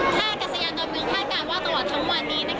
ท่ากัสยานต่อมื้อท่าการว่าต่อวันทั้งวันนี้